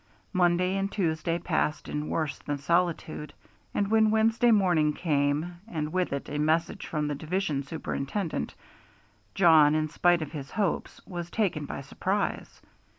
Monday and Tuesday passed in worse than solitude, and when Wednesday morning came, and with it a message from the division superintendent, Jawn, in spite of his hopes, was taken by surprise.